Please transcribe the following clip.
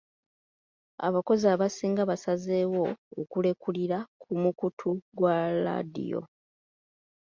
Abakozi abasinga baasazeewo okulekulira ku mukutu gwa laadiyo.